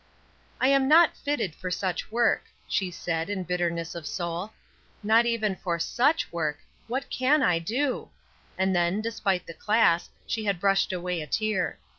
"I am not fitted for such work," she said, in bitterness of soul; "not even for such work; what can I do?" and then, despite the class, she had brushed away a tear.